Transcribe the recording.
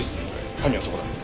犯人はそこだ。